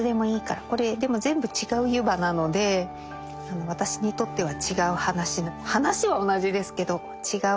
これでも全部違う「湯葉」なので私にとっては違う話。